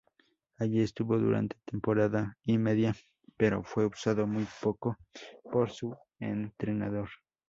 Allí estuvo durante temporada y media, pero fue usado muy poco por su entrenador.